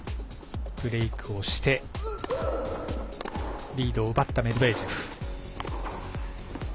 ブレークをしてリードを奪ったメドベージェフ。